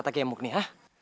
apa kata kata gemuk ini hah